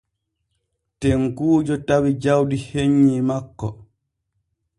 Tekkuujo tawi jawdi hennyi makko.